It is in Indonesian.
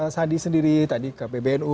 sandi sendiri tadi ke pbnu